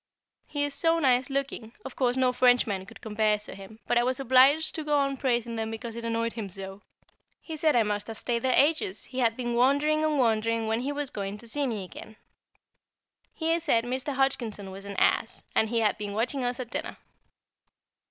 He is so nice looking, of course no Frenchman could compare to him, but I was obliged to go on praising them because it annoyed him so. He said I must have stayed there ages, he had been wondering and wondering when he was to see me again. He said Mr. Hodgkinson was an ass, and he had been watching us at dinner.